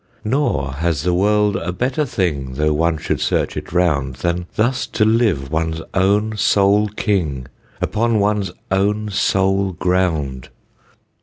Nor has the world a better thing, Though one should search it round, Than thus to live one's own sole king, Upon one's own sole ground.